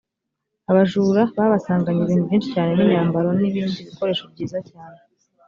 abajura babasanganye ibintu byinshi cyane n’ imyambaro nibindi bikoresho byiza cyane